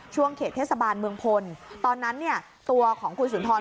ช่วงเขตเทศบาลเมืองพลตอนนั้นตัวของคุณสุนทร